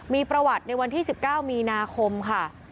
มีประวัติในวันที่๑๙มีนาคมค่ะ